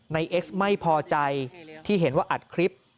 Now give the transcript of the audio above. เอ็กซ์ไม่พอใจที่เห็นว่าอัดคลิป